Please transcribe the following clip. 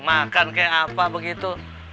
makan kayak apa begitu